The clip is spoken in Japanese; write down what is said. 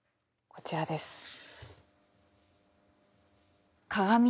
こちらです。